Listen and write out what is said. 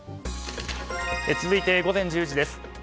続いて午前１０時です。